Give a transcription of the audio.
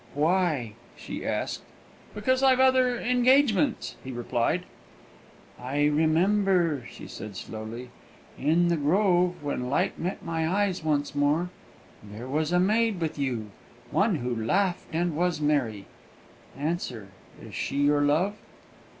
"Why?" she asked. "Because I've other engagements," he replied. "I remember," she said slowly, "in the grove, when light met my eyes once more, there was a maid with you, one who laughed and was merry. Answer is she your love?"